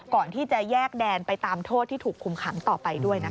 ก่อนที่จะแยกแดนไปตามโทษที่ถูกคุมขังต่อไปด้วยนะคะ